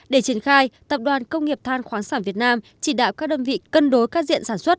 để triển khai tập đoàn công nghiệp than khoáng sản việt nam chỉ đạo các đơn vị cân đối các diện sản xuất